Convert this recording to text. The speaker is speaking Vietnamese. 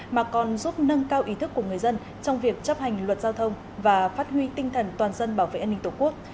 mà còn giúp nâng cao ý thức của người dân trong việc chấp hành luật giao thông và phát huy tinh thần toàn dân bảo vệ an ninh tổ quốc